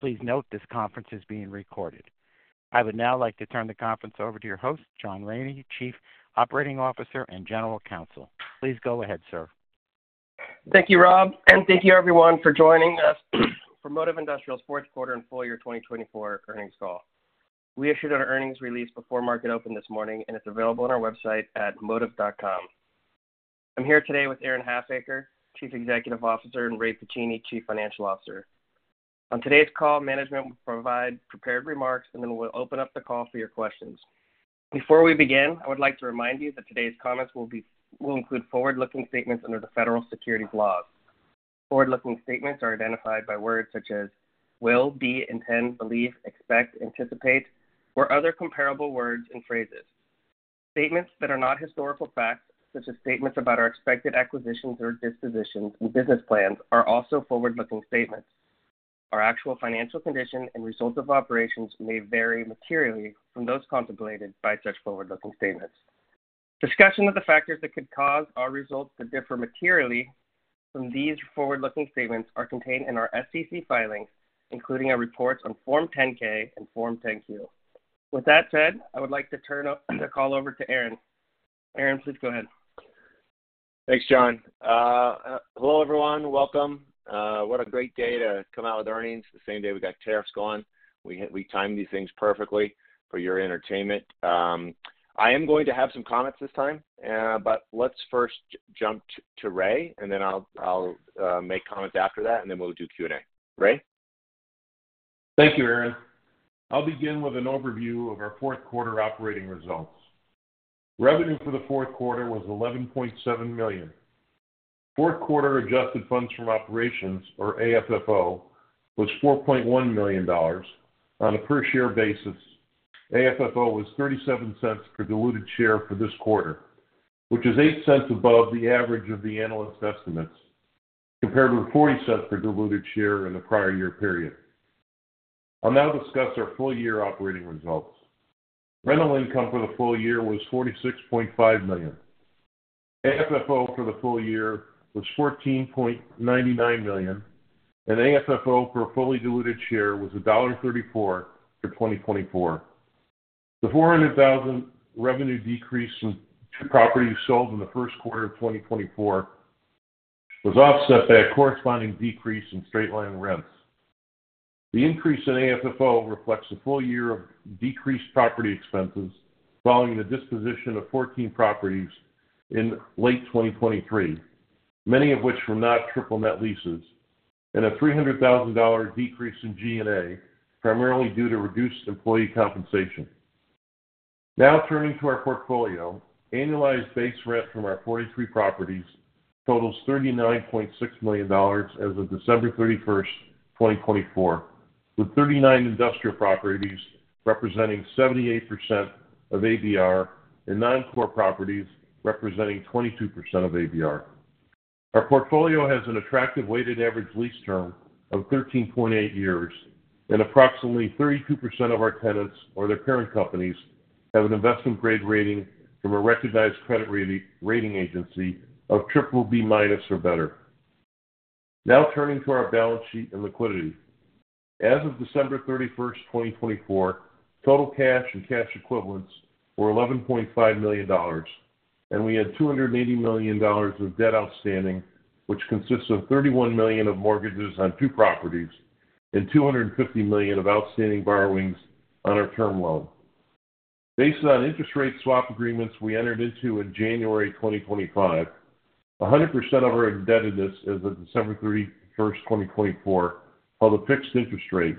Please note this conference is being recorded. I would now like to turn the conference over to your host, John Raney, Chief Operating Officer and General Counsel. Please go ahead, sir. Thank you, Rob, and thank you, everyone, for joining us for Modiv Industrial's fourth quarter and full year 2024 earnings call. We issued our earnings release before market open this morning, and it's available on our website at modiv.com. I'm here today with Aaron Halfacre, Chief Executive Officer, and Ray Pacini, Chief Financial Officer. On today's call, management will provide prepared remarks, and then we'll open up the call for your questions. Before we begin, I would like to remind you that today's comments will include forward-looking statements under the federal securities laws. Forward-looking statements are identified by words such as will, be, intend, believe, expect, anticipate, or other comparable words and phrases. Statements that are not historical facts, such as statements about our expected acquisitions or dispositions and business plans, are also forward-looking statements. Our actual financial condition and results of operations may vary materially from those contemplated by such forward-looking statements. Discussion of the factors that could cause our results to differ materially from these forward-looking statements is contained in our SEC filings, including our reports on Form 10-K and Form 10-Q. With that said, I would like to turn the call over to Aaron. Aaron, please go ahead. Thanks, John. Hello, everyone. Welcome. What a great day to come out with earnings, the same day we got tariffs going. We timed these things perfectly for your entertainment. I am going to have some comments this time, but let's first jump to Ray, and then I'll make comments after that, and then we'll do Q&A. Ray? Thank you, Aaron. I'll begin with an overview of our fourth quarter operating results. Revenue for the fourth quarter was $11.7 million. Fourth quarter adjusted funds from operations, or AFFO, was $4.1 million. On a per-share basis, AFFO was $0.37 per diluted share for this quarter, which is $0.08 above the average of the analyst estimates, compared with $0.40 per diluted share in the prior year period. I'll now discuss our full year operating results. Rental income for the full year was $46.5 million. AFFO for the full year was $14.99 million, and AFFO for a fully diluted share was $1.34 for 2024. The $400,000 revenue decrease from two properties sold in the first quarter of 2024 was offset by a corresponding decrease in straight line rents. The increase in AFFO reflects the full year of decreased property expenses following the disposition of 14 properties in late 2023, many of which were not triple-net leases, and a $300,000 decrease in G&A, primarily due to reduced employee compensation. Now turning to our portfolio, annualized base rent from our 43 properties totals $39.6 million as of December 31, 2024, with 39 industrial properties representing 78% of ABR and non-core properties representing 22% of ABR. Our portfolio has an attractive weighted average lease term of 13.8 years, and approximately 32% of our tenants or their parent companies have an investment-grade rating from a recognized credit rating agency of BBB or better. Now turning to our balance sheet and liquidity. As of December 31st, 2024, total cash and cash equivalents were $11.5 million, and we had $280 million of debt outstanding, which consists of $31 million of mortgages on two properties and $250 million of outstanding borrowings on our term loan. Based on interest rate swap agreements we entered into in January 2025, 100% of our indebtedness as of December 31, 2024, held a fixed interest rate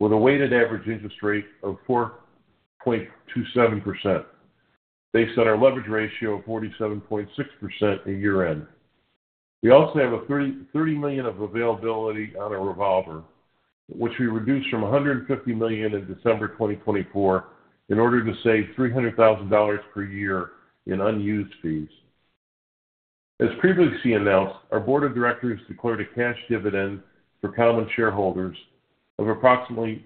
with a weighted average interest rate of 4.27%, based on our leverage ratio of 47.6% at year-end. We also have $30 million of availability on a revolver, which we reduced from $150 million in December 2024 in order to save $300,000 per year in unused fees. As previously announced, our board of directors declared a cash dividend for common shareholders of approximately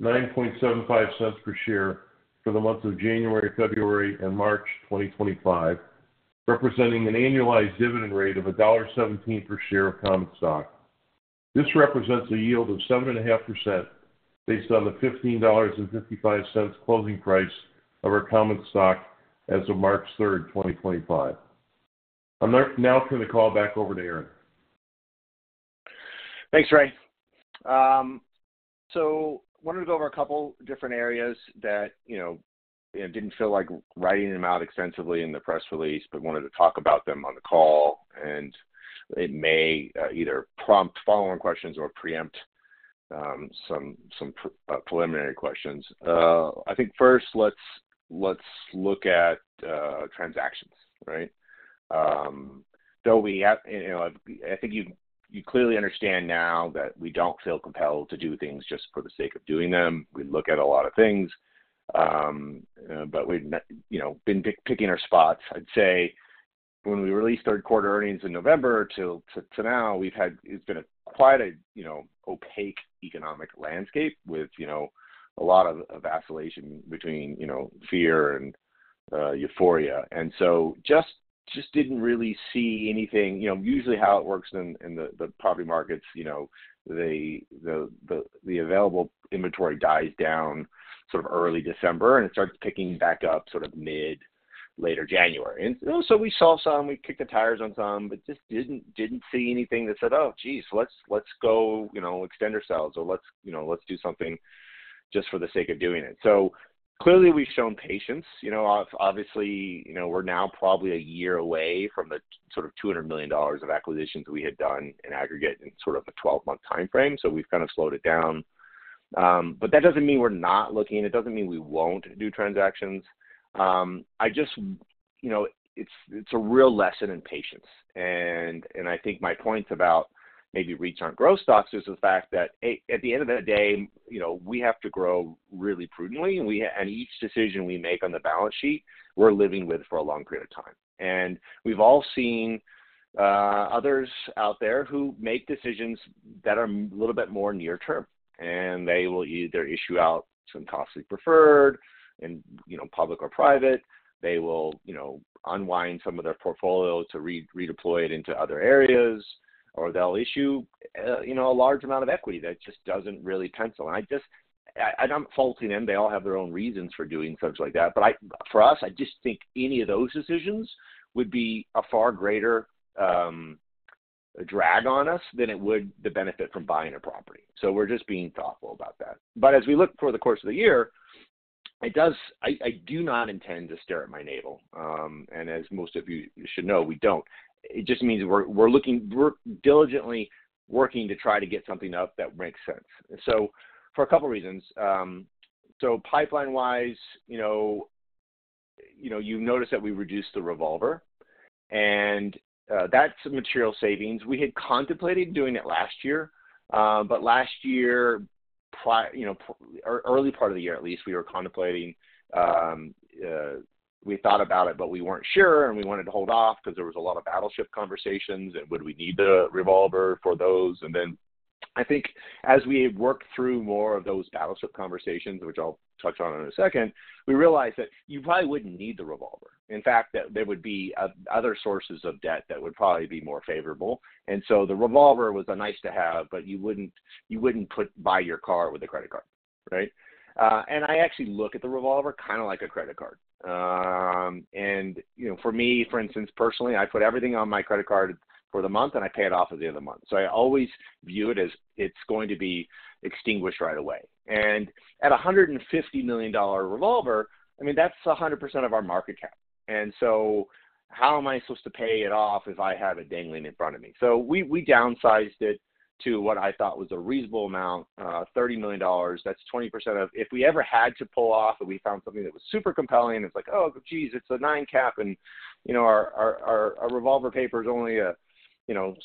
$0.975 per share for the months of January, February, and March 2025, representing an annualized dividend rate of $1.17 per share of common stock. This represents a yield of 7.5% based on the $15.55 closing price of our common stock as of March 3, 2025. I'm now turning the call back over to Aaron. Thanks, Ray. I wanted to go over a couple of different areas that, you know, did not feel like writing them out extensively in the press release, but wanted to talk about them on the call, and it may either prompt following questions or preempt some preliminary questions. I think first, let's look at transactions, right? I think you clearly understand now that we do not feel compelled to do things just for the sake of doing them. We look at a lot of things, but we have been picking our spots. I would say when we released third quarter earnings in November to now, it has been quite an opaque economic landscape with a lot of vacillation between fear and euphoria. Just did not really see anything. Usually, how it works in the property markets, the available inventory dies down sort of early December, and it starts picking back up sort of mid-later January. We saw some, we kicked the tires on some, but just did not see anything that said, "Oh, geez, let's go extend ourselves," or, "Let's do something just for the sake of doing it." Clearly, we have shown patience. Obviously, we are now probably a year away from the sort of $200 million of acquisitions we had done in aggregate in sort of a 12-month time frame, so we have kind of slowed it down. That does not mean we are not looking. It does not mean we will not do transactions. It is a real lesson in patience. I think my points about maybe reach on growth stocks is the fact that at the end of the day, we have to grow really prudently, and each decision we make on the balance sheet, we're living with for a long period of time. We've all seen others out there who make decisions that are a little bit more near-term, and they will either issue out some costly preferred and public or private. They will unwind some of their portfolio to redeploy it into other areas, or they'll issue a large amount of equity that just doesn't really pencil. I'm faulting them. They all have their own reasons for doing such like that. For us, I just think any of those decisions would be a far greater drag on us than it would the benefit from buying a property. We're just being thoughtful about that. As we look for the course of the year, I do not intend to stare at my navel. As most of you should know, we do not. It just means we are diligently working to try to get something up that makes sense for a couple of reasons. Pipeline-wise, you have noticed that we reduced the revolver, and that is material savings. We had contemplated doing it last year, but last year, early part of the year at least, we were contemplating. We thought about it, but we were not sure, and we wanted to hold off because there was a lot of battleship conversations, and would we need the revolver for those? I think as we worked through more of those battleship conversations, which I will touch on in a second, we realized that you probably would not need the revolver. In fact, there would be other sources of debt that would probably be more favorable. The revolver was a nice-to-have, but you would not buy your car with a credit card, right? I actually look at the revolver kind of like a credit card. For me, for instance, personally, I put everything on my credit card for the month, and I pay it off at the end of the month. I always view it as it is going to be extinguished right away. At a $150 million revolver, I mean, that is 100% of our market cap. How am I supposed to pay it off if I have a dingling in front of me? We downsized it to what I thought was a reasonable amount, $30 million. That's 20% of if we ever had to pull off and we found something that was super compelling, it's like, "Oh, geez, it's a nine-cap, and our revolver paper is only a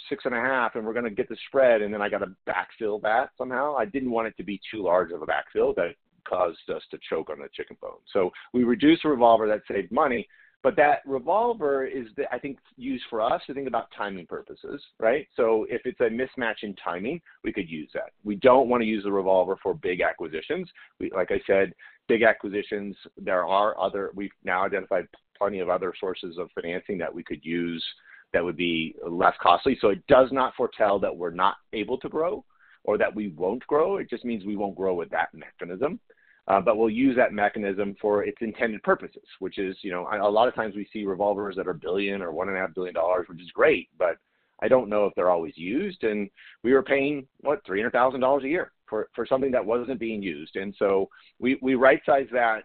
six and a half, and we're going to get the spread," and then I got to backfill that somehow. I didn't want it to be too large of a backfill that caused us to choke on the chicken bone. We reduced the revolver. That saved money. That revolver is, I think, used for us to think about timing purposes, right? If it's a mismatch in timing, we could use that. We don't want to use the revolver for big acquisitions. Like I said, big acquisitions, there are other we've now identified plenty of other sources of financing that we could use that would be less costly. It does not foretell that we're not able to grow or that we won't grow. It just means we won't grow with that mechanism. We'll use that mechanism for its intended purposes, which is a lot of times we see revolvers that are a billion or one and a half billion dollars, which is great, but I don't know if they're always used. We were paying, what, $300,000 a year for something that wasn't being used. We right-sized that.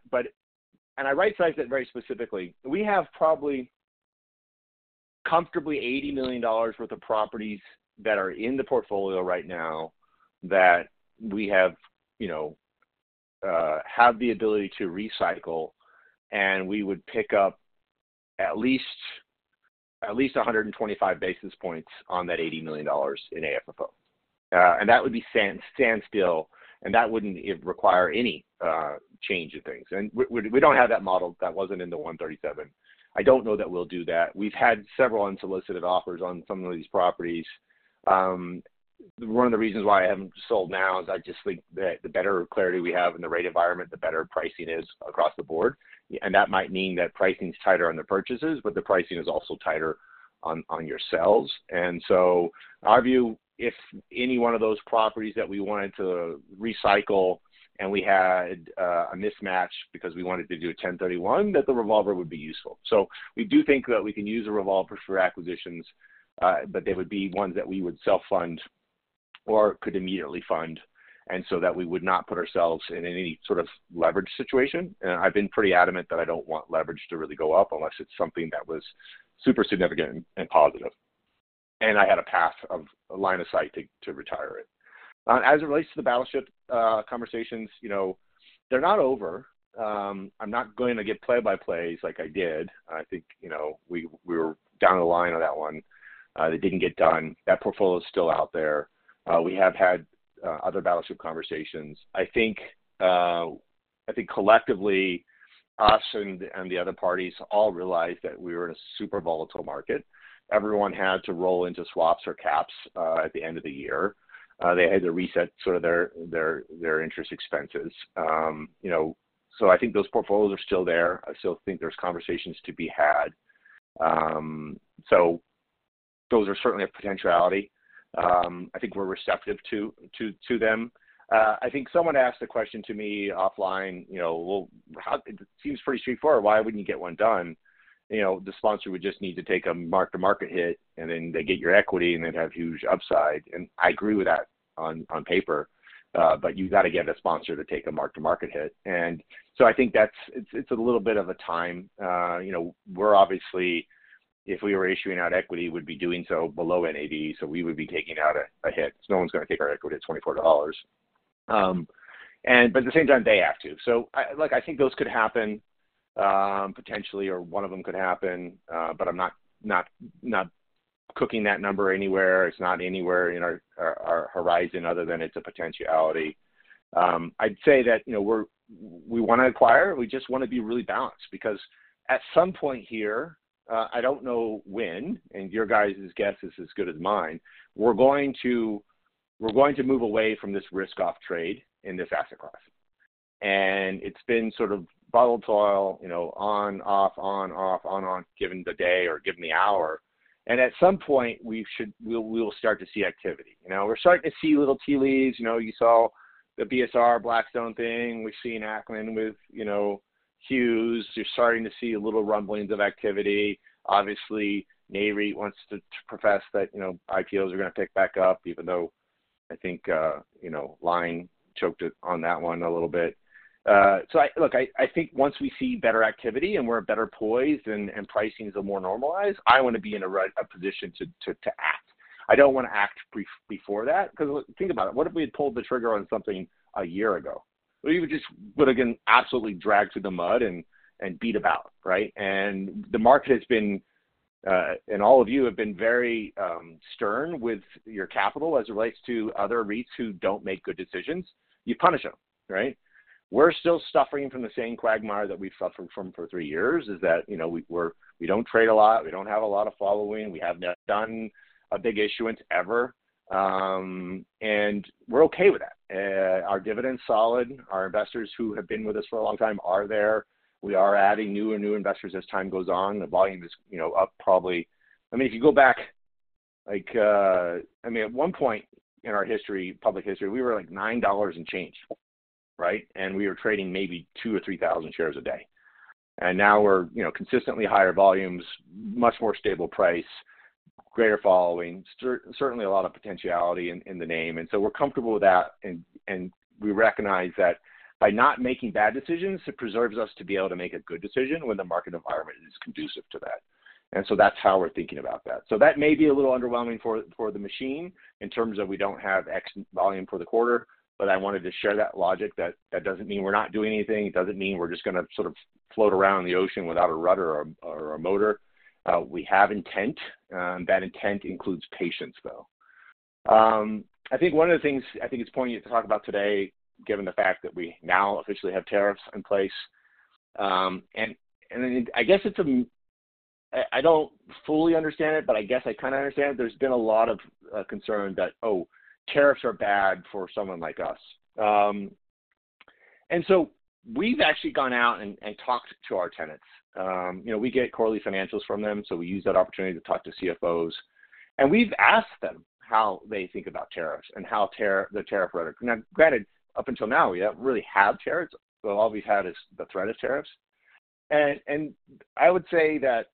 I right-sized it very specifically. We have probably comfortably $80 million worth of properties that are in the portfolio right now that we have the ability to recycle, and we would pick up at least 125 basis points on that $80 million in AFFO. That would be standstill, and that wouldn't require any change of things. We do not have that model that was not in the 137. I do not know that we will do that. We have had several unsolicited offers on some of these properties. One of the reasons why I have not sold now is I just think that the better clarity we have in the rate environment, the better pricing is across the board. That might mean that pricing is tighter on the purchases, but the pricing is also tighter on your sales. Our view, if any one of those properties that we wanted to recycle and we had a mismatch because we wanted to do a 1031, is that the revolver would be useful. We do think that we can use a revolver for acquisitions, but they would be ones that we would self-fund or could immediately fund and so that we would not put ourselves in any sort of leverage situation. I've been pretty adamant that I don't want leverage to really go up unless it's something that was super significant and positive. I had a path of line of sight to retire it. As it relates to the battleship conversations, they're not over. I'm not going to get play-by-plays like I did. I think we were down the line on that one. They didn't get done. That portfolio is still out there. We have had other battleship conversations. I think collectively, us and the other parties all realized that we were in a super volatile market. Everyone had to roll into swaps or caps at the end of the year. They had to reset sort of their interest expenses. I think those portfolios are still there. I still think there's conversations to be had. Those are certainly a potentiality. I think we're receptive to them. I think someone asked the question to me offline, "Well, it seems pretty straightforward. Why wouldn't you get one done? The sponsor would just need to take a mark-to-market hit, and then they get your equity and then have huge upside." I agree with that on paper, but you've got to get a sponsor to take a mark-to-market hit. I think it's a little bit of a time. We're obviously, if we were issuing out equity, would be doing so below NAV, so we would be taking out a hit. No one's going to take our equity at $24. At the same time, they have to. I think those could happen potentially, or one of them could happen, but I'm not cooking that number anywhere. It's not anywhere in our horizon other than it's a potentiality. I'd say that we want to acquire. We just want to be really balanced because at some point here, I do not know when, and your guys' guess is as good as mine, we are going to move away from this risk-off trade in this asset class. It has been sort of volatile, on, off, on, off, on, off, given the day or given the hour. At some point, we will start to see activity. We are starting to see little tea leaves. You saw the BSR Blackstone thing. We have seen Ackman with Hughes. You are starting to see little rumblings of activity. Obviously, NAREIT wants to profess that IPOs are going to pick back up, even though I think Line choked on that one a little bit. I think once we see better activity and we are better poised and pricings are more normalized, I want to be in a position to act. I don't want to act before that because think about it. What if we had pulled the trigger on something a year ago? We would just, again, absolutely drag through the mud and beat about, right? The market has been, and all of you have been very stern with your capital as it relates to other REITs who don't make good decisions. You punish them, right? We're still suffering from the same quagmire that we've suffered from for three years is that we don't trade a lot. We don't have a lot of following. We have not done a big issuance ever. We're okay with that. Our dividend's solid. Our investors who have been with us for a long time are there. We are adding new and new investors as time goes on. The volume is up probably. I mean, if you go back, I mean, at one point in our history, public history, we were like $9 and change, right? And we were trading maybe 2,000 or 3,000 shares a day. Now we're consistently higher volumes, much more stable price, greater following, certainly a lot of potentiality in the name. We're comfortable with that. We recognize that by not making bad decisions, it preserves us to be able to make a good decision when the market environment is conducive to that. That's how we're thinking about that. That may be a little underwhelming for the machine in terms of we do not have X volume for the quarter, but I wanted to share that logic that that does not mean we're not doing anything. It doesn't mean we're just going to sort of float around the ocean without a rudder or a motor. We have intent. That intent includes patience, though. I think one of the things I think it's important to talk about today, given the fact that we now officially have tariffs in place. I guess I don't fully understand it, but I guess I kind of understand it. There's been a lot of concern that, oh, tariffs are bad for someone like us. We've actually gone out and talked to our tenants. We get quarterly financials from them, so we use that opportunity to talk to CFOs. We've asked them how they think about tariffs and how the tariff rudder. Now, granted, up until now, we don't really have tariffs. All we've had is the threat of tariffs. I would say that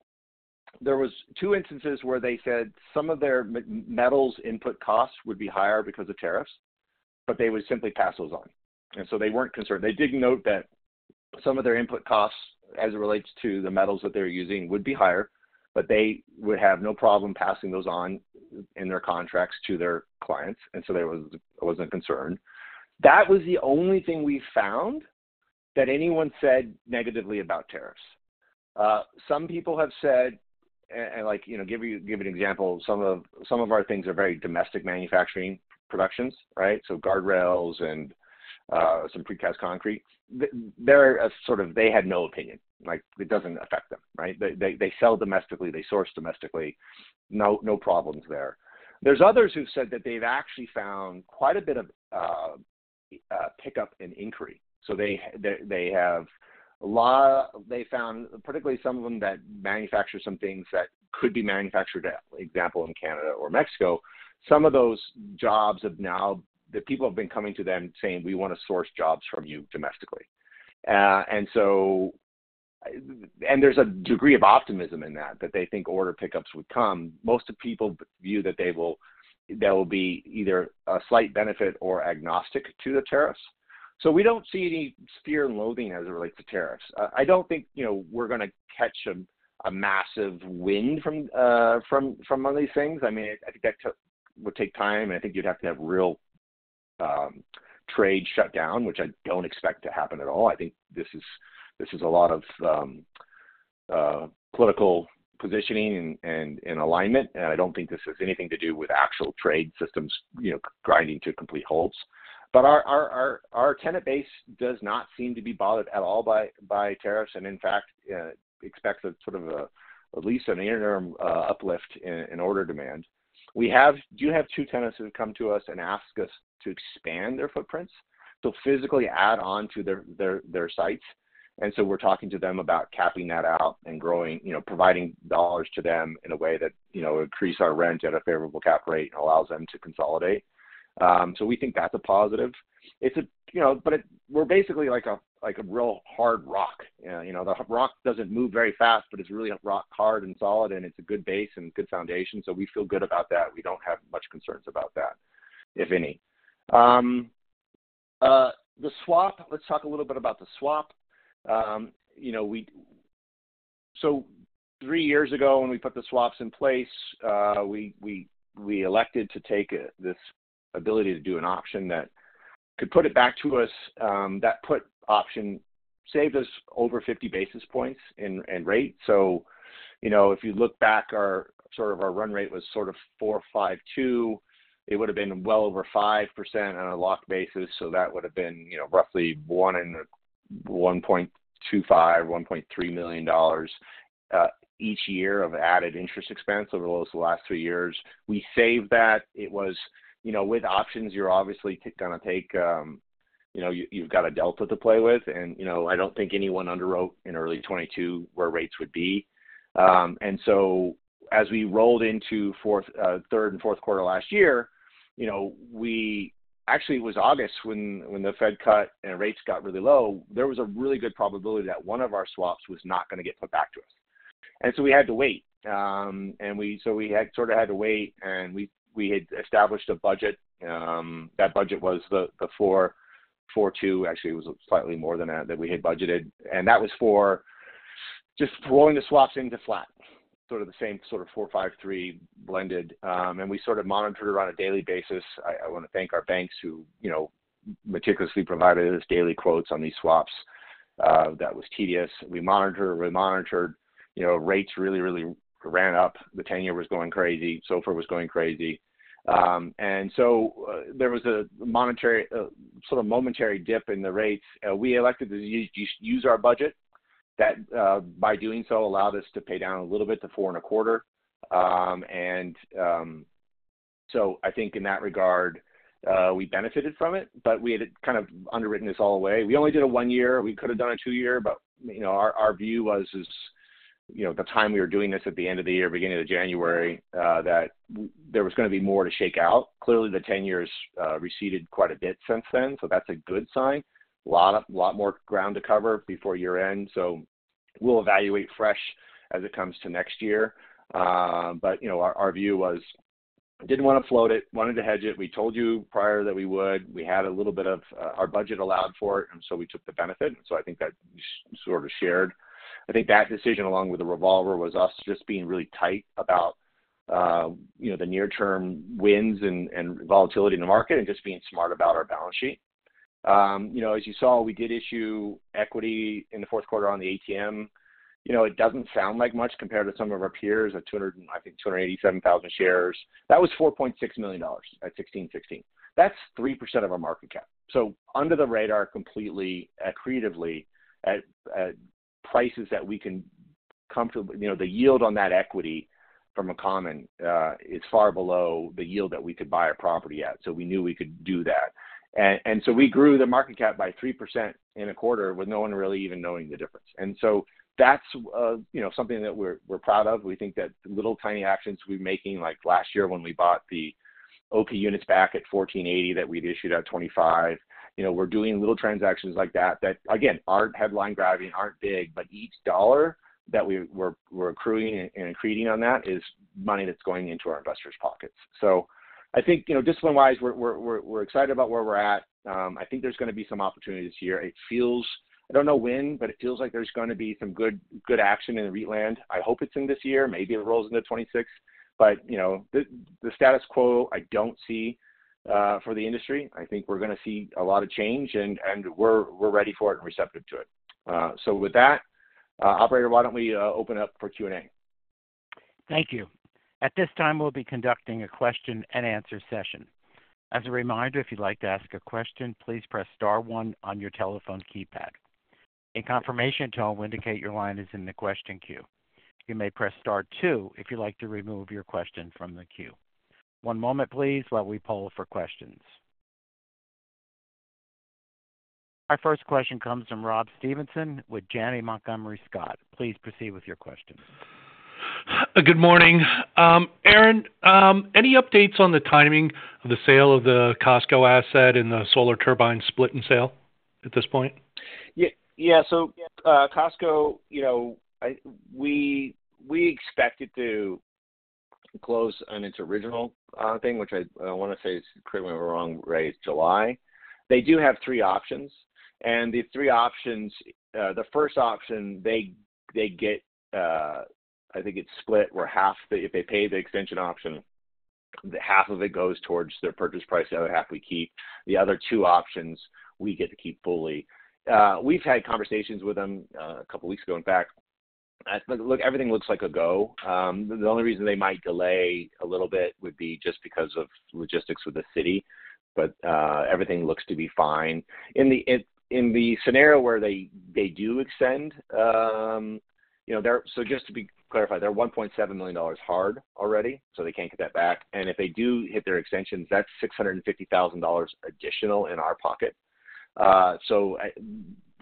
there were two instances where they said some of their metals' input costs would be higher because of tariffs, but they would simply pass those on. They were not concerned. They did note that some of their input costs as it relates to the metals that they are using would be higher, but they would have no problem passing those on in their contracts to their clients. There was not a concern. That was the only thing we found that anyone said negatively about tariffs. Some people have said, and to give you an example, some of our things are very domestic manufacturing productions, right? Guardrails and some precast concrete. They had no opinion. It does not affect them, right? They sell domestically. They source domestically. No problems there. are others who have said that they have actually found quite a bit of pickup and inquiry. They have found, particularly some of them that manufacture some things that could be manufactured, for example, in Canada or Mexico. Some of those jobs have now, the people have been coming to them saying, "We want to source jobs from you domestically." There is a degree of optimism in that, that they think order pickups would come. Most of the people view that there will be either a slight benefit or are agnostic to the tariffs. We do not see any fear and loathing as it relates to tariffs. I do not think we are going to catch a massive wind from one of these things. I mean, I think that would take time. I think you would have to have real trade shutdown, which I do not expect to happen at all. I think this is a lot of political positioning and alignment. I don't think this has anything to do with actual trade systems grinding to complete holes. Our tenant base does not seem to be bothered at all by tariffs and, in fact, expects sort of at least an interim uplift in order demand. We do have two tenants who have come to us and asked us to expand their footprints, to physically add on to their sites. We are talking to them about capping that out and providing dollars to them in a way that increases our rent at a favorable cap rate and allows them to consolidate. We think that's a positive. We are basically like a real hard rock. The rock doesn't move very fast, but it's really a rock hard and solid, and it's a good base and good foundation. We feel good about that. We do not have much concerns about that, if any. The swap, let's talk a little bit about the swap. Three years ago, when we put the swaps in place, we elected to take this ability to do an option that could put it back to us. That put option saved us over 50 basis points in rate. If you look back, sort of our run rate was sort of 4.52. It would have been well over 5% on a locked basis. That would have been roughly $1.25 million-$1.3 million each year of added interest expense over the last three years. We saved that. It was with options, you are obviously going to take, you have got a delta to play with. I do not think anyone underwrote in early 2022 where rates would be. As we rolled into third and fourth quarter last year, it was August when the Fed cut and rates got really low, there was a really good probability that one of our swaps was not going to get put back to us. We had to wait. We had established a budget. That budget was the 4.42. Actually, it was slightly more than that we had budgeted. That was for just rolling the swaps into flat, sort of the same sort of 4.53 blended. We sort of monitored it on a daily basis. I want to thank our banks who meticulously provided us daily quotes on these swaps. That was tedious. We monitored. Rates really, really ran up. The tenure was going crazy. SOFR was going crazy. There was a sort of momentary dip in the rates. We elected to use our budget. By doing so, it allowed us to pay down a little bit to 4 and a quarter. I think in that regard, we benefited from it, but we had kind of underwritten this all the way. We only did a one-year. We could have done a two-year, but our view was the time we were doing this at the end of the year, beginning of January, that there was going to be more to shake out. Clearly, the tenure has receded quite a bit since then. That's a good sign. A lot more ground to cover before year-end. We'll evaluate fresh as it comes to next year. Our view was didn't want to float it. Wanted to hedge it. We told you prior that we would. We had a little bit of our budget allowed for it. And so we took the benefit. I think that sort of shared. I think that decision, along with the revolver, was us just being really tight about the near-term winds and volatility in the market and just being smart about our balance sheet. As you saw, we did issue equity in the fourth quarter on the ATM. It does not sound like much compared to some of our peers at, I think, 287,000 shares. That was $4.6 million at 16.16. That is 3% of our market cap. Under the radar completely creatively at prices that we can comfortably the yield on that equity from a common is far below the yield that we could buy a property at. We knew we could do that. We grew the market cap by 3% in a quarter with no one really even knowing the difference. That is something that we are proud of. We think that little tiny actions we are making, like last year when we bought the OP units back at $14.80 that we had issued at $25, we are doing little transactions like that that, again, are not headline-grabbing, are not big. Each dollar that we are accruing and accreting on that is money that is going into our investors' pockets. I think discipline-wise, we are excited about where we are at. I think there are going to be some opportunities here. I do not know when, but it feels like there are going to be some good action in the REIT land. I hope it is in this year. Maybe it rolls into 2026. The status quo, I do not see for the industry. I think we're going to see a lot of change, and we're ready for it and receptive to it. With that, Operator, why don't we open up for Q&A? Thank you. At this time, we'll be conducting a question-and-answer session. As a reminder, if you'd like to ask a question, please press star one on your telephone keypad. A confirmation tone will indicate your line is in the question queue. You may press star two if you'd like to remove your question from the queue. One moment, please, while we poll for questions. Our first question comes from Rob Stevenson with Janney Montgomery Scott. Please proceed with your question. Good morning. Aaron, any updates on the timing of the sale of the Costco asset and the Solar Turbines split and sale at this point? Yeah. Costco, we expect it to close on its original thing, which I want to say is, correct me if I'm wrong, right, July. They do have three options. And the three options, the first option, they get, I think it's split where half, if they pay the extension option, half of it goes towards their purchase price. The other half we keep. The other two options, we get to keep fully. We've had conversations with them a couple of weeks ago in fact. Look, everything looks like a go. The only reason they might delay a little bit would be just because of logistics with the city. Everything looks to be fine. In the scenario where they do extend, just to clarify, they're $1.7 million hard already, so they can't get that back. If they do hit their extensions, that's $650,000 additional in our pocket.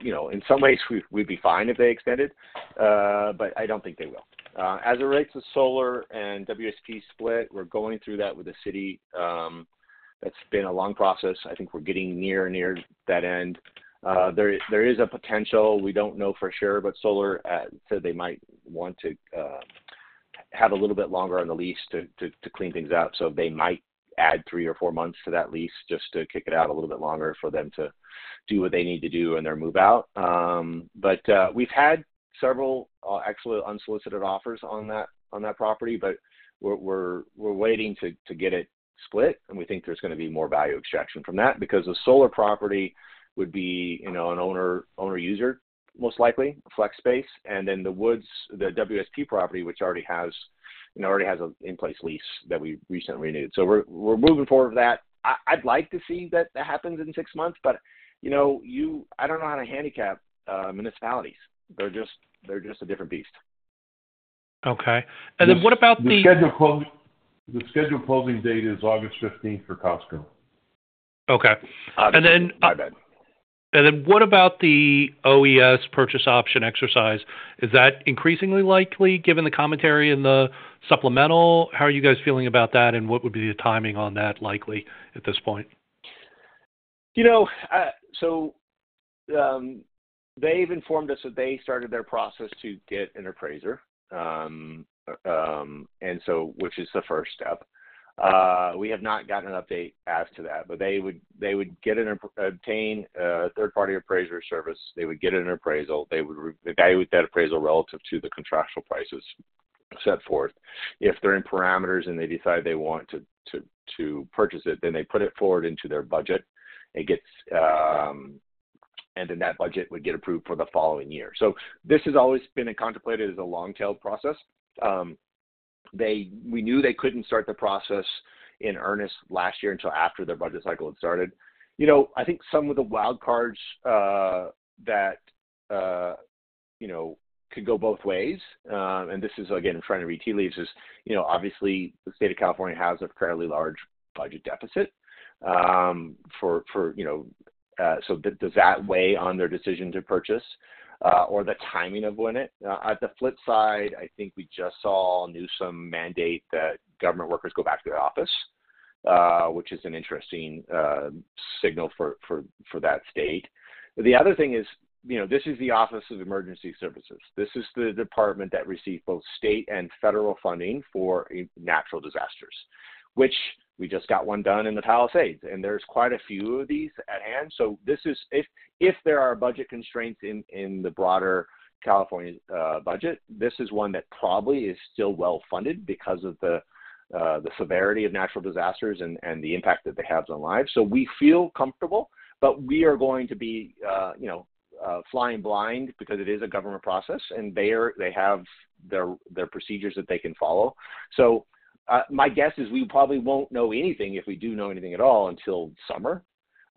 In some ways, we'd be fine if they extended, but I don't think they will. As it relates to Solar Turbines and WSP Global split, we're going through that with the city. That's been a long process. I think we're getting near and near that end. There is a potential. We don't know for sure, but Solar Turbines, they might want to have a little bit longer on the lease to clean things out. They might add three or four months to that lease just to kick it out a little bit longer for them to do what they need to do and then move out. We've had several actual unsolicited offers on that property, but we're waiting to get it split. We think there's going to be more value extraction from that because the Solar Turbines property would be an owner-user, most likely, a flex space. Then the Woods, the WSP property, which already has an in-place lease that we recently renewed. We are moving forward with that. I'd like to see that happen in six months, but I do not know how to handicap municipalities. They are just a different beast. Okay. What about the. The scheduled closing date it is August 15th for Costco. Okay. I bet. What about the OES purchase option exercise? Is that increasingly likely given the commentary in the supplemental? How are you guys feeling about that? What would be the timing on that likely at this point? They have informed us that they started their process to get an appraiser, which is the first step. We have not gotten an update as to that. They would obtain a third-party appraiser service. They would get an appraisal. They would evaluate that appraisal relative to the contractual prices set forth. If they're in parameters and they decide they want to purchase it, then they put it forward into their budget. That budget would get approved for the following year. This has always been contemplated as a long-tailed process. We knew they couldn't start the process in earnest last year until after their budget cycle had started. I think some of the wild cards that could go both ways, and this is, again, I'm trying to read tea leaves, is obviously the state of California has a fairly large budget deficit for, so does that weigh on their decision to purchase or the timing of when it? On the flip side, I think we just saw a Newsom mandate that government workers go back to their office, which is an interesting signal for that state. The other thing is this is the Office of Emergency Services. This is the department that receives both state and federal funding for natural disasters, which we just got one done in the Palisades. There are quite a few of these at hand. If there are budget constraints in the broader California budget, this is one that probably is still well-funded because of the severity of natural disasters and the impact that they have on lives. We feel comfortable, but we are going to be flying blind because it is a government process, and they have their procedures that they can follow. My guess is we probably will not know anything, if we do know anything at all, until summer.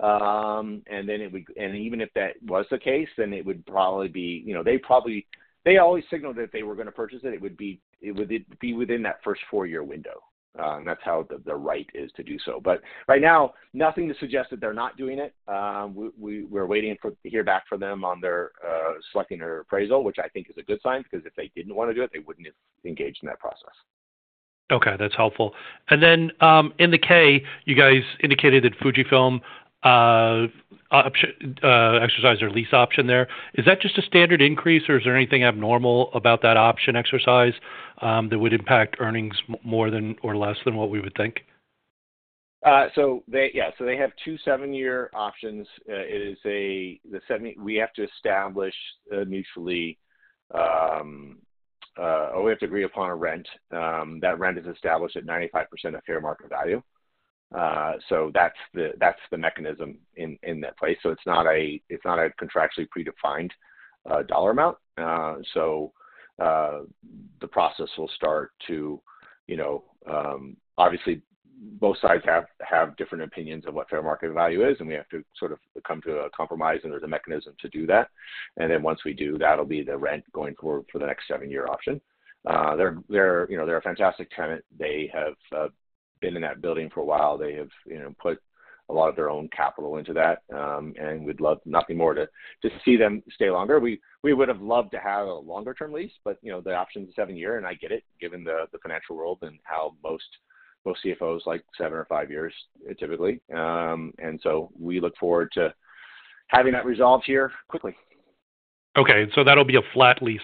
Even if that was the case, it would probably be they always signaled that they were going to purchase it. It would be within that first four-year window. That's how the right is to do so. Right now, nothing to suggest that they're not doing it. We're waiting to hear back from them on selecting their appraisal, which I think is a good sign because if they didn't want to do it, they wouldn't have engaged in that process. Okay. That's helpful. In Key, you guys indicated that Fujifilm exercised their lease option there. Is that just a standard increase, or is there anything abnormal about that option exercise that would impact earnings more than or less than what we would think? Yeah. They have two seven-year options. We have to establish mutually or we have to agree upon a rent. That rent is established at 95% of fair market value. That's the mechanism in that place. It is not a contractually predefined dollar amount. The process will start; obviously, both sides have different opinions of what fair market value is, and we have to sort of come to a compromise, and there is a mechanism to do that. Once we do, that will be the rent going forward for the next seven-year option. They are a fantastic tenant. They have been in that building for a while. They have put a lot of their own capital into that. We would love nothing more than to see them stay longer. We would have loved to have a longer-term lease, but the option is seven-year, and I get it given the financial world and how most CFOs like seven or five years typically. We look forward to having that resolved here quickly. Okay. That will be a flat lease,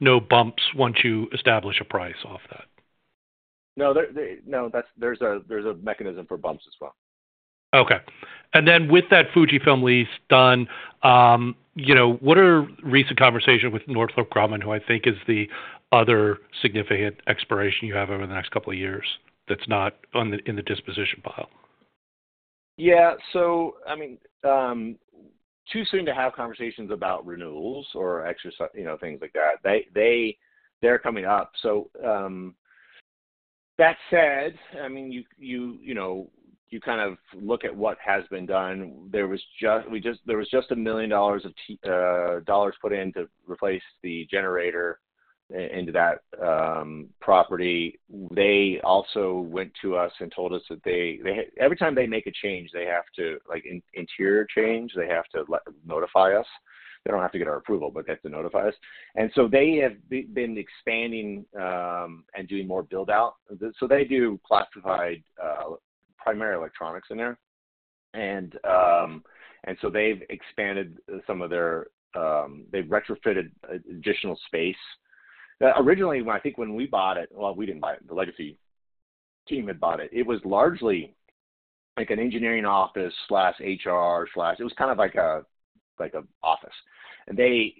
no bumps once you establish a price off that. No. No. There is a mechanism for bumps as well. Okay. With that Fujifilm lease done, what are recent conversations with Northrop Grumman, who I think is the other significant expiration you have over the next couple of years that is not in the disposition pile? Yeah. I mean, too soon to have conversations about renewals or things like that. They are coming up. That said, you kind of look at what has been done. There was just $1 million put in to replace the generator into that property. They also went to us and told us that every time they make a change, they have to interior change, they have to notify us. They do not have to get our approval, but they have to notify us. They have been expanding and doing more build-out. They do classified primary electronics in there. They have expanded some of their—they have retrofitted additional space. Originally, I think when we bought it—well, we did not buy it. The legacy team had bought it. It was largely an engineering office/HR/it was kind of like an office.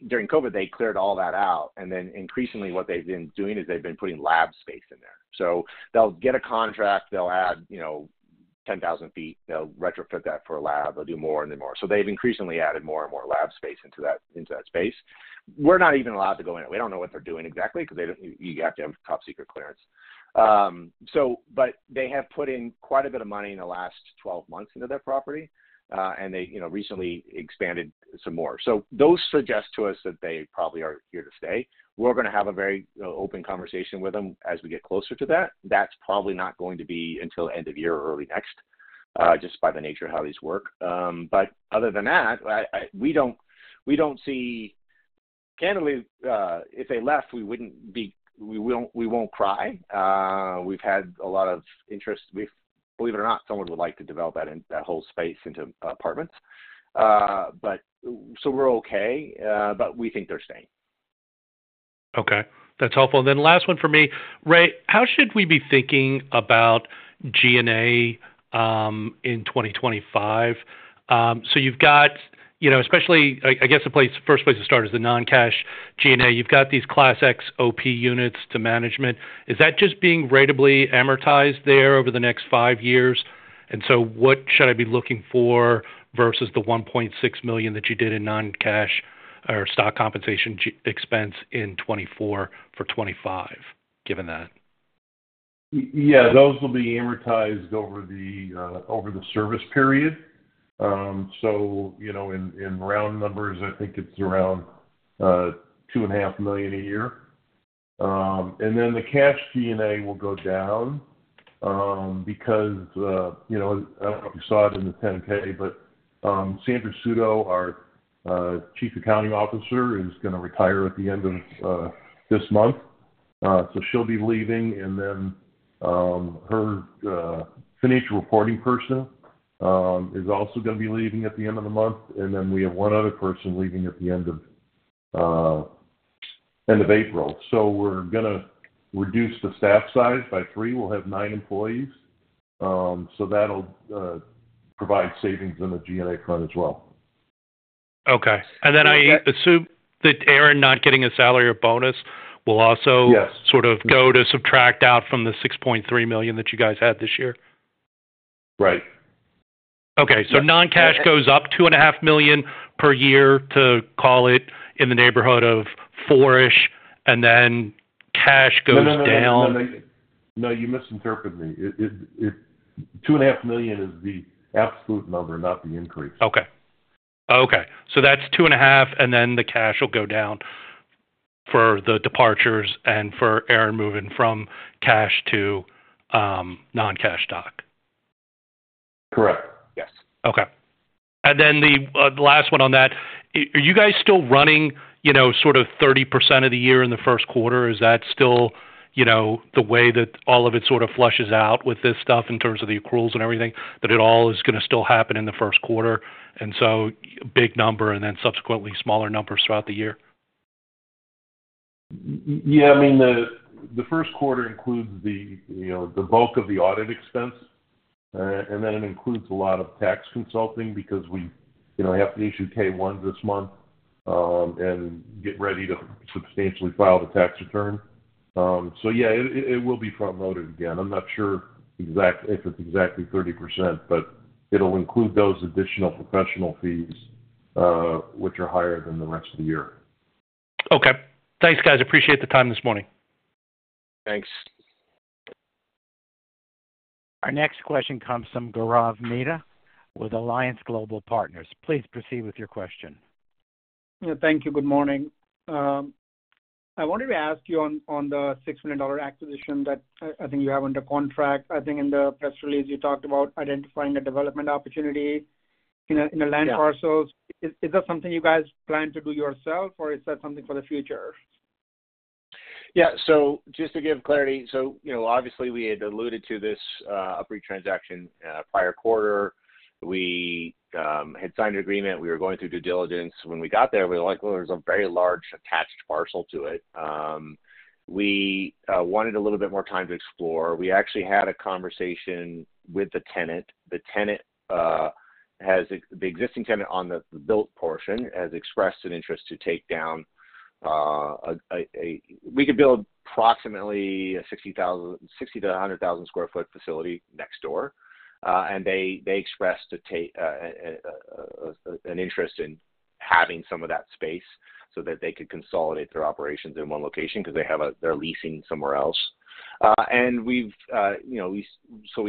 During COVID, they cleared all that out. Increasingly, what they have been doing is putting lab space in there. They will get a contract, add 10,000 sq ft, retrofit that for a lab, do more, and then more. They have increasingly added more and more lab space into that space. We are not even allowed to go in. We do not know what they are doing exactly because you have to have top secret clearance. They have put in quite a bit of money in the last 12 months into their property, and they recently expanded some more. Those suggest to us that they probably are here to stay. We're going to have a very open conversation with them as we get closer to that. That's probably not going to be until end of year or early next just by the nature of how these work. Other than that, we don't see, candidly, if they left, we wouldn't be, we won't cry. We've had a lot of interest. Believe it or not, someone would like to develop that whole space into apartments. We're okay, but we think they're staying. Okay. That's helpful. Last one for me, Ray, how should we be thinking about G&A in 2025? You've got especially, I guess the first place to start is the non-cash G&A. You've got these class X OP units to management. Is that just being ratably amortized there over the next five years? What should I be looking for versus the $1.6 million that you did in non-cash or stock compensation expense in 2024 for 2025, given that? Yeah. Those will be amortized over the service period. In round numbers, I think it's around $2.5 million a year. The cash G&A will go down because I don't know if you saw it in the 10-K, but Sandra Suto, our Chief Accounting Officer, is going to retire at the end of this month. She'll be leaving, and then her financial reporting person is also going to be leaving at the end of the month. We have one other person leaving at the end of April. We are going to reduce the staff size by three. We will have nine employees. That will provide savings on the G&A front as well. Okay. I assume that Aaron not getting a salary or bonus will also sort of go to subtract out from the $6.3 million that you guys had this year? Okay. Non-cash goes up $2,500,000 per year to call it in the neighborhood of four-ish, and then cash goes down. No, you misinterpreted me. $2,500,000 is the absolute number, not the increase. Okay. Okay. That is $2,500,000, and then the cash will go down for the departures and for Aaron moving from cash to non-cash stock. Correct. Yes. Okay. Then the last one on that, are you guys still running sort of 30% of the year in the first quarter? Is that still the way that all of it sort of flushes out with this stuff in terms of the accruals and everything, that it all is going to still happen in the first quarter? A big number and then subsequently smaller numbers throughout the year? Yeah. I mean, the first quarter includes the bulk of the audit expense, and then it includes a lot of tax consulting because we have to issue K-1s this month and get ready to substantially file the tax return. Yeah, it will be promoted again. I'm not sure if it's exactly 30%, but it'll include those additional professional fees, which are higher than the rest of the year. Okay. Thanks, guys. Appreciate the time this morning. Thanks. Our next question comes from Gaurav Mehta with Alliance Global Partners. Please proceed with your question. Thank you. Good morning. I wanted to ask you on the $6 million acquisition that I think you have under contract. I think in the press release, you talked about identifying a development opportunity in a land parcel. Is that something you guys plan to do yourself, or is that something for the future? Yeah. Just to give clarity, obviously, we had alluded to this upreach transaction prior quarter. We had signed an agreement. We were going through due diligence. When we got there, we were like, "Well, there's a very large attached parcel to it." We wanted a little bit more time to explore. We actually had a conversation with the tenant. The existing tenant on the built portion has expressed an interest to take down a, we could build approximately a 60,000-100,000 sq ft facility next door. They expressed an interest in having some of that space so that they could consolidate their operations in one location because they have their leasing somewhere else. We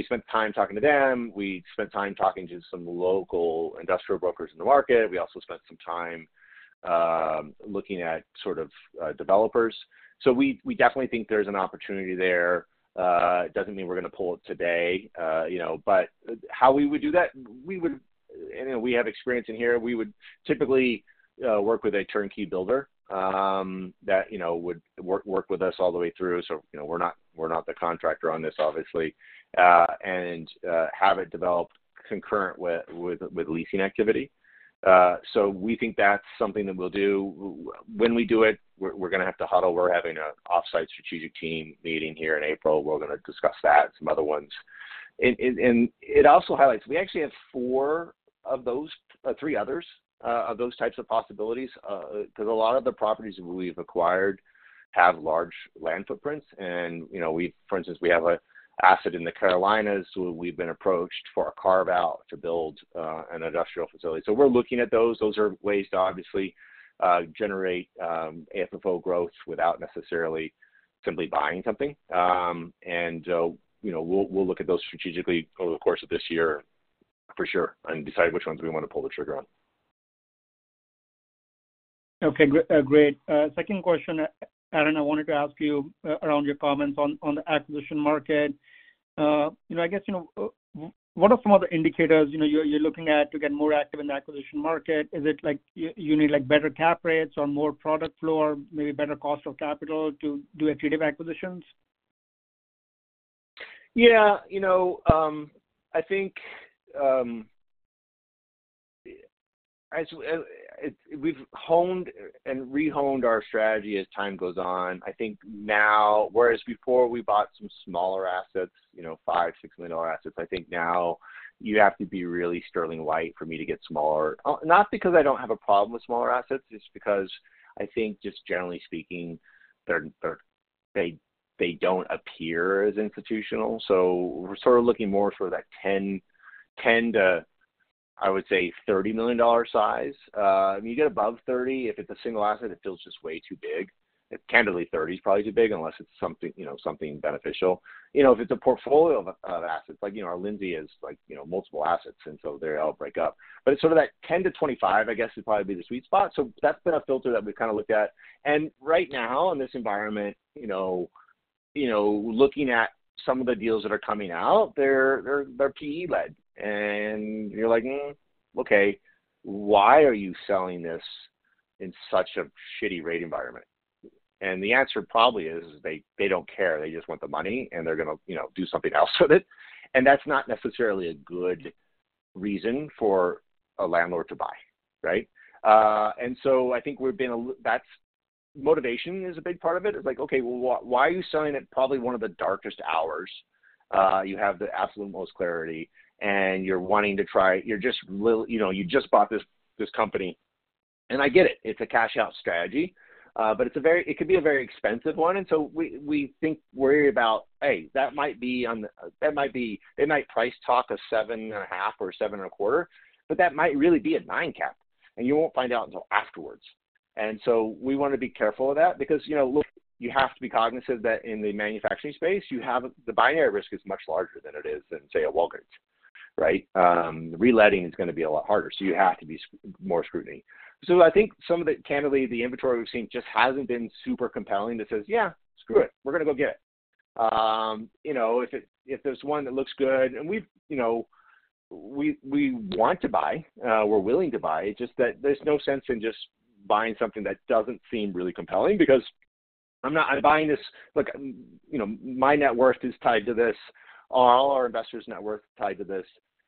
spent time talking to them. We spent time talking to some local industrial brokers in the market. We also spent some time looking at sort of developers. We definitely think there's an opportunity there. It does not mean we're going to pull it today. How we would do that, we have experience in here. We would typically work with a turnkey builder that would work with us all the way through. We are not the contractor on this, obviously, and have it developed concurrent with leasing activity. We think that's something that we'll do. When we do it, we're going to have to huddle. We're having an offsite strategic team meeting here in April. We're going to discuss that and some other ones. It also highlights we actually have four of those, three others of those types of possibilities because a lot of the properties we've acquired have large land footprints. For instance, we have an asset in the Carolinas. We've been approached for a carve-out to build an industrial facility. We're looking at those. Those are ways to obviously generate FFO growth without necessarily simply buying something. We'll look at those strategically over the course of this year for sure and decide which ones we want to pull the trigger on. Okay. Great. Second question, Aaron, I wanted to ask you around your comments on the acquisition market. I guess what are some of the indicators you're looking at to get more active in the acquisition market? Is it like you need better cap rates or more product floor, maybe better cost of capital to do accretive acquisitions? Yeah. I think we've honed and rehoned our strategy as time goes on. I think now, whereas before we bought some smaller assets, $5 million, $6 million assets, I think now you have to be really sterling white for me to get smaller. Not because I don't have a problem with smaller assets. It's because I think just generally speaking, they don't appear as institutional. So we're sort of looking more for that $10 million to, I would say, $30 million size. I mean, you get above $30 million, if it's a single asset, it feels just way too big. Candidly, $30 million is probably too big unless it's something beneficial. If it's a portfolio of assets, like our Lindsay has multiple assets, and so they all break up. That 10-25, I guess, would probably be the sweet spot. That's been a filter that we've kind of looked at. Right now, in this environment, looking at some of the deals that are coming out, they're PE-led. You're like, "Okay. Why are you selling this in such a shitty rate environment?" The answer probably is they don't care. They just want the money, and they're going to do something else with it. That's not necessarily a good reason for a landlord to buy, right? I think that's motivation is a big part of it. It's like, "Okay. Why are you selling at probably one of the darkest hours? You have the absolute most clarity, and you're wanting to try it. You're just really you just bought this company. I get it. It's a cash-out strategy, but it could be a very expensive one. We think, worry about, "Hey, that might be on the, that might be, they might price talk a seven and a half or seven and a quarter, but that might really be a nine cap, and you won't find out until afterwards." We want to be careful of that because you have to be cognizant that in the manufacturing space, the binary risk is much larger than it is in, say, a Walgreens, right? Reletting is going to be a lot harder. You have to be more scrutiny. I think some of the, candidly, the inventory we've seen just hasn't been super compelling that says, "Yeah, screw it. We're going to go get it. If there's one that looks good, and we want to buy, we're willing to buy. It's just that there's no sense in just buying something that doesn't seem really compelling because I'm not buying this. Look, my net worth is tied to this. All our investors' net worth is tied to this.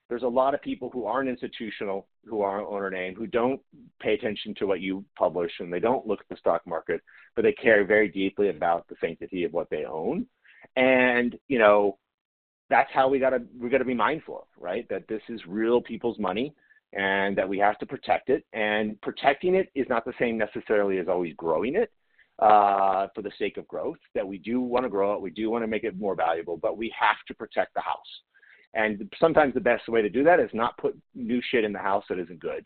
There's a lot of people who aren't institutional, who aren't owner name, who don't pay attention to what you publish, and they don't look at the stock market, but they care very deeply about the sanctity of what they own. That's how we got to we're going to be mindful of, right, that this is real people's money and that we have to protect it. Protecting it is not the same necessarily as always growing it for the sake of growth. We do want to grow it. We do want to make it more valuable, but we have to protect the house. Sometimes the best way to do that is not put new shit in the house that isn't good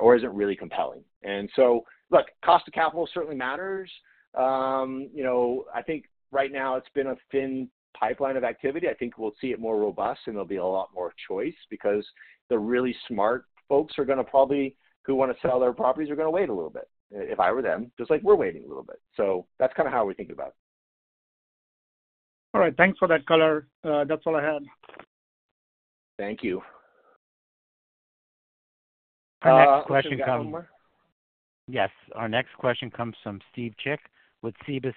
or isn't really compelling. Look, cost of capital certainly matters. I think right now it's been a thin pipeline of activity. I think we'll see it more robust, and there'll be a lot more choice because the really smart folks who want to sell their properties are going to wait a little bit if I were them, just like we're waiting a little bit. That's kind of how we think about it. All right. Thanks for that, Color. That's all I had. Thank you. Our next question comes from. Yes. Our next question comes from Steve Chick with Sabas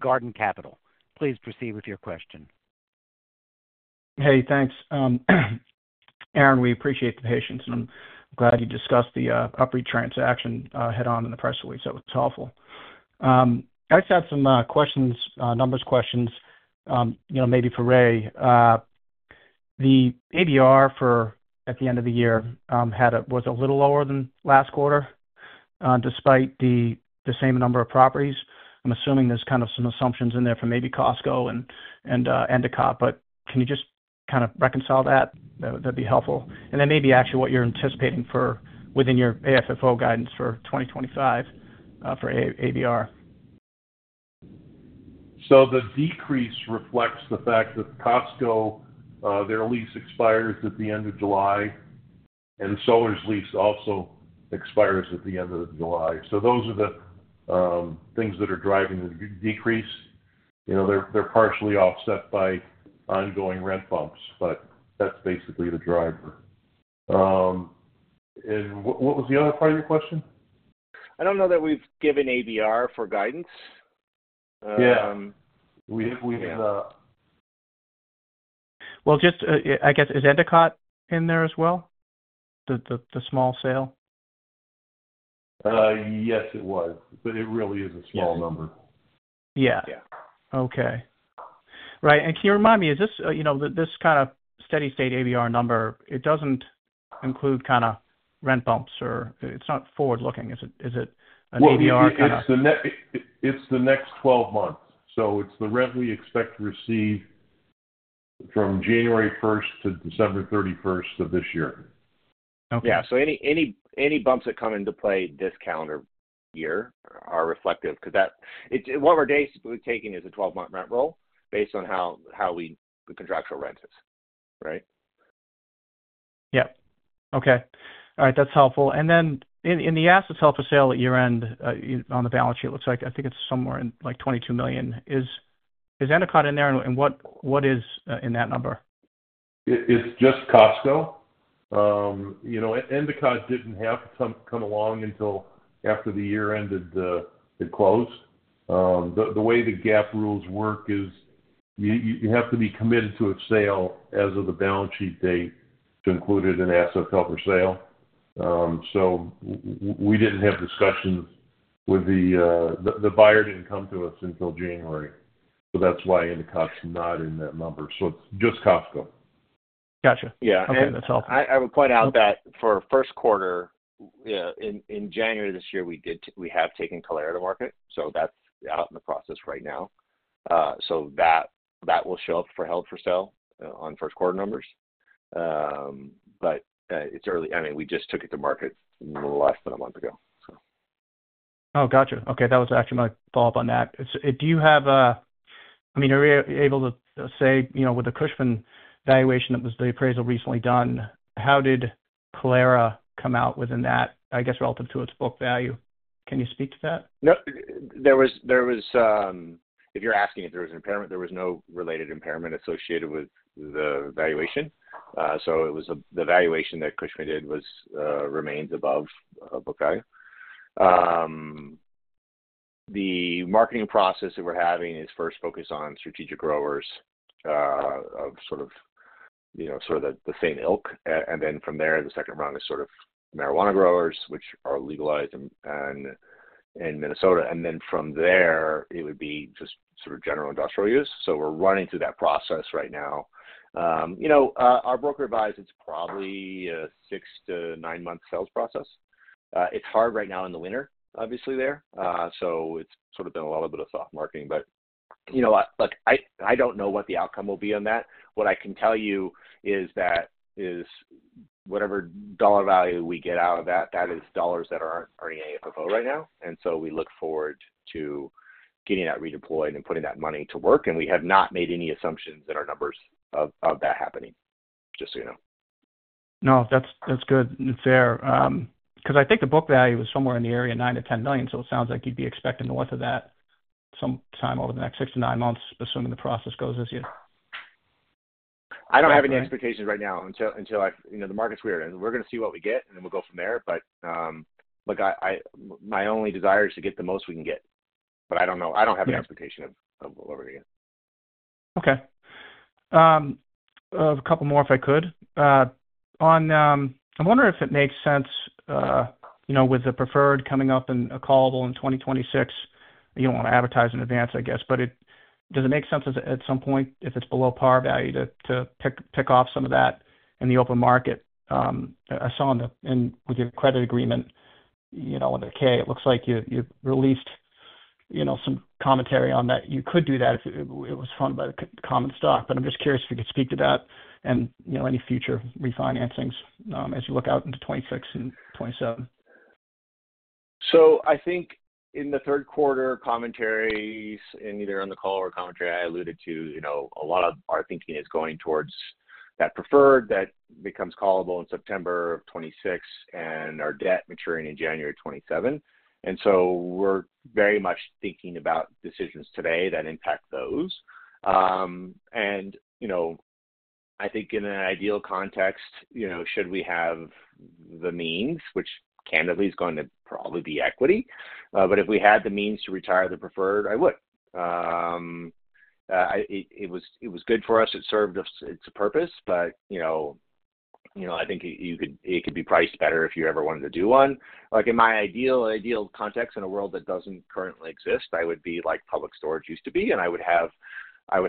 Garden Capital. Please proceed with your question. Hey, thanks. Aaron, we appreciate the patience, and I'm glad you discussed the upreach transaction head-on in the press release. That was helpful. I just had some questions, numbers questions, maybe for Ray. The ABR for at the end of the year was a little lower than last quarter despite the same number of properties. I'm assuming there's kind of some assumptions in there for maybe Costco and Endicott, but can you just kind of reconcile that? That'd be helpful. Actually, what you're anticipating within your AFFO guidance for 2025 for ABR. The decrease reflects the fact that Costco, their lease expires at the end of July, and Solar's lease also expires at the end of July. Those are the things that are driving the decrease. They're partially offset by ongoing rent bumps, but that's basically the driver. What was the other part of your question? I don't know that we've given ABR for guidance. Yeah. We have. Just, I guess, is Endicott in there as well, the small sale? Yes, it was. It really is a small number. Yeah. Yeah. Okay. Right. Can you remind me, is this kind of steady-state ABR number, it doesn't include kind of rent bumps or it's not forward-looking. Is it an ABR kind of? It's the next 12 months. It's the rent we expect to receive from January 1st to December 31st of this year. Yeah. Any bumps that come into play this calendar year are reflective because what we're basically taking is a 12-month rent roll based on how the contractual rent is, right? Yep. Okay. All right. That's helpful. In the assets held for sale at year-end on the balance sheet, it looks like I think it is somewhere in like $22 million. Is Endicott in there, and what is in that number? It is just Costco. Endicott did not have to come along until after the year-end had closed. The way the GAAP rules work is you have to be committed to a sale as of the balance sheet date to include it in assets held for sale. We did not have discussions with the buyer did not come to us until January. That is why Endicott is not in that number. It is just Costco. Gotcha. Yeah. Okay. That is helpful. I would point out that for first quarter, in January this year, we have taken Kalaro to market. That is out in the process right now. That will show up for held for sale on first quarter numbers. It's early. I mean, we just took it to market less than a month ago. Oh, gotcha. Okay. That was actually my follow-up on that. Do you have a, I mean, are we able to say with the Cushman valuation that was the appraisal recently done, how did Kalaro come out within that, I guess, relative to its book value? Can you speak to that? No. If you're asking if there was an impairment, there was no related impairment associated with the valuation. The valuation that Cushman did remains above book value. The marketing process that we're having is first focused on strategic growers of sort of the same ilk. From there, the second round is marijuana growers, which are legalized in Minnesota. From there, it would be just general industrial use. We're running through that process right now. Our broker advised it's probably a six- to nine-month sales process. It's hard right now in the winter, obviously, there. It's sort of been a little bit of soft marketing. Look, I don't know what the outcome will be on that. What I can tell you is that whatever dollar value we get out of that, that is dollars that aren't earning AFFO right now. We look forward to getting that redeployed and putting that money to work. We have not made any assumptions in our numbers of that happening, just so you know. No, that's good. It's fair. I think the book value is somewhere in the area of $9 million-$10 million. It sounds like you'd be expecting north of that sometime over the next six to nine months, assuming the process goes this year. I don't have any expectations right now until the market's weird. We're going to see what we get, and then we'll go from there. Look, my only desire is to get the most we can get. I don't know. I don't have an expectation of what we're going to get. Okay. A couple more, if I could. I'm wondering if it makes sense with the preferred coming up in a callable in 2026. You don't want to advertise in advance, I guess. Does it make sense at some point, if it's below par value, to pick off some of that in the open market? I saw in the credit agreement with the K, it looks like you released some commentary on that. You could do that if it was funded by the common stock. I'm just curious if you could speak to that and any future refinancings as you look out into 2026 and 2027. I think in the third quarter commentaries, and either on the call or commentary, I alluded to a lot of our thinking is going towards that preferred that becomes callable in September of 2026 and our debt maturing in January 2027. We are very much thinking about decisions today that impact those. I think in an ideal context, should we have the means, which candidly is going to probably be equity. If we had the means to retire the preferred, I would. It was good for us. It served its purpose. I think it could be priced better if you ever wanted to do one. In my ideal context, in a world that does not currently exist, I would be like Public Storage used to be. I would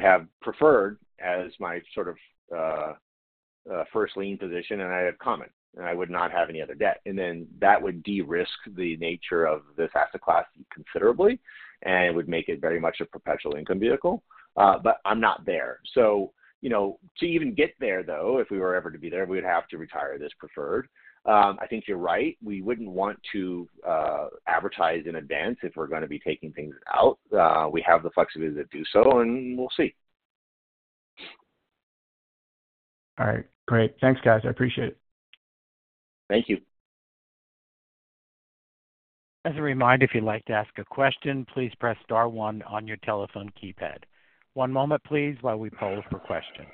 have preferred as my sort of first lien position, and I have common. I would not have any other debt. That would de-risk the nature of this asset class considerably, and it would make it very much a perpetual income vehicle. I am not there. To even get there, though, if we were ever to be there, we would have to retire this preferred. I think you are right. We would not want to advertise in advance if we are going to be taking things out. We have the flexibility to do so, and we will see. All right. Great. Thanks, guys. I appreciate it. Thank you. As a reminder, if you would like to ask a question, please press star one on your telephone keypad. One moment, please, while we poll for questions.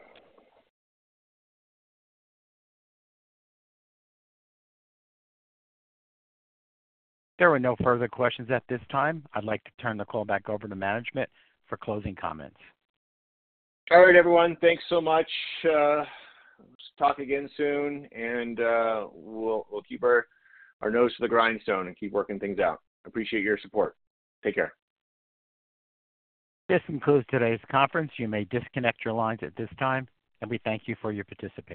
There were no further questions at this time. I'd like to turn the call back over to management for closing comments. All right, everyone. Thanks so much. Let's talk again soon, and we'll keep our nose to the grindstone and keep working things out. Appreciate your support. Take care. This concludes today's conference. You may disconnect your lines at this time, and we thank you for your participation.